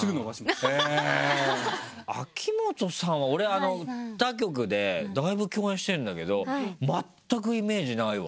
秋元さんは俺他局でたいぶ共演してるんだけど全くイメージないわ。